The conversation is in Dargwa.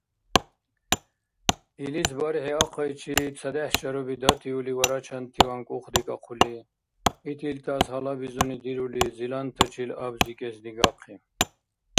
Илис бархӀи ахъайчи цадехӀ шаруби датиули, варачантиван кӀухдикӀахъули, итилтас гьалабизуни дирули, зилантачил абзрикӀес дигахъи.